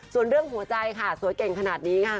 ส่วนเรื่องหัวใจค่ะสวยเก่งขนาดนี้ค่ะ